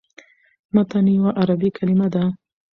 متن یوه عربي کلمه ده.